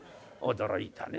驚いたね